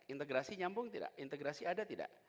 integrasi nyambung tidak integrasi ada tidak